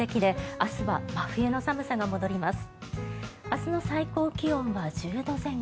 明日の最高気温は１０度前後。